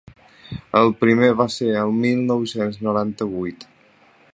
El primer va ser el mil nou-cents noranta-vuit.